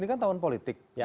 ini kan tahun politik